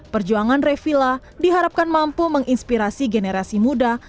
perjuangan revila diharapkan mampu menginspirasi generasi muda